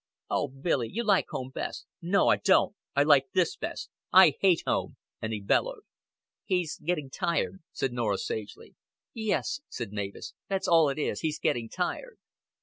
"O Billy, you like home best." "No, I don't. I like this best. I hate home;" and he bellowed. "He's getting tired," said Norah sagely. "Yes," said Mavis. "That's all it is. He's getting tired."